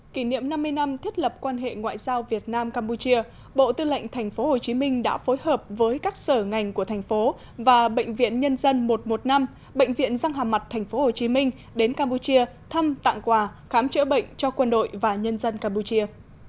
kỷ niệm năm mươi năm thiết lập quan hệ ngoại giao việt nam campuchia bộ tư lệnh tp hcm đã phối hợp với các sở ngành của thành phố và bệnh viện nhân dân một trăm một mươi năm bệnh viện răng hàm mặt tp hcm đến campuchia thăm tặng quà khám chữa bệnh cho quân đội và nhân dân campuchia